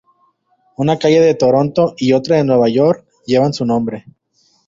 Una calle de Toronto y otra de Nueva York llevan su nombre.